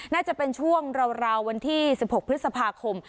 น่าจะเป็นช่วงราววันที่๑๖พฤษภาคม